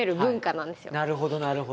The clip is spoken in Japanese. なるほどなるほど。